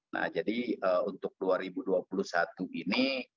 nah jadi untuk dua ribu dua puluh satu ini